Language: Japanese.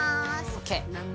ＯＫ。